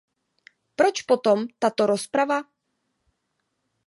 Proč potom tato rozprava?